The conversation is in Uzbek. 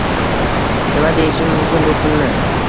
Nima deyishim mumkin, bu pulni